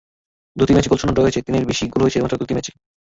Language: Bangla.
দুটি ম্যাচ গোলশূন্য ড্র হয়েছে, তিনের বেশি গোল হয়েছে মাত্র দুটি ম্যাচে।